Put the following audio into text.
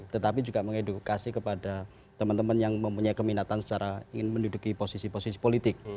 tetapi juga mengedukasi kepada teman teman yang mempunyai keminatan secara ingin menduduki posisi posisi politik